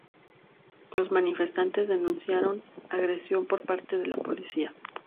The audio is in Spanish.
Los manifestantes denunciaron agresión por parte de la policía.